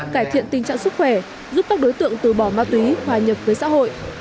cải thiện tình trạng sức khỏe giúp các đối tượng từ bỏ ma túy hòa nhập với xã hội